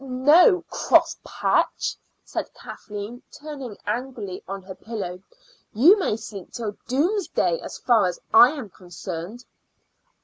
"No, cross patch," said Kathleen, turning angrily on her pillow. "You may sleep till doomsday as far as I am concerned."